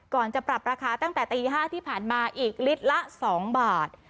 จะปรับราคาตั้งแต่ตี๕ที่ผ่านมาอีกลิตรละ๒บาท